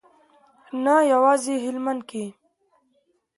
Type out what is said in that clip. نه یوازې هلمند کې.